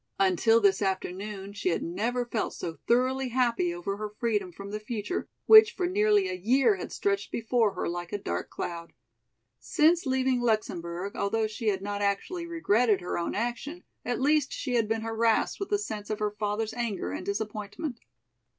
Until this afternoon she had never felt so thoroughly happy over her freedom from the future which for nearly a year had stretched before her like a dark cloud. Since leaving Luxemburg, although she had not actually regretted her own action, at least she had been harassed with the sense of her father's anger and disappointment.